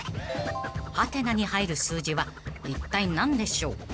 ［ハテナに入る数字はいったい何でしょう］